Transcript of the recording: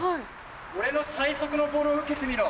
俺の最速のボールを受けてみろ。